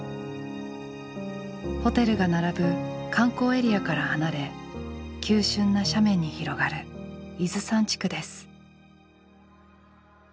ホテルが並ぶ観光エリアから離れ急峻な斜面に広がる伊豆山地区です。